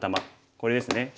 これですね。